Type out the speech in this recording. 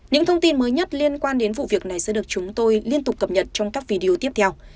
những thông tin mới nhất liên quan đến vụ việc này sẽ được chúng tôi liên tục cập nhật trong các video tiếp theo